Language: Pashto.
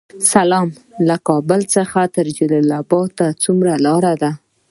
سلام، له کابل څخه تر جلال اباد څومره لاره ده؟